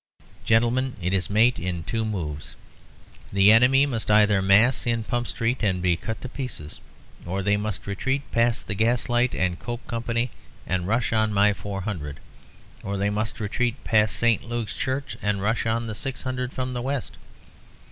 Gentlemen, it is mate in two moves. The enemy must either mass in Pump Street and be cut to pieces; or they must retreat past the Gaslight & Coke Co., and rush on my four hundred; or they must retreat past St. Luke's Church, and rush on the six hundred from the West.